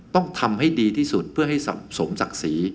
ต้องทำให้ดีที่สุดเพื่อให้สมศักดิ์ศรี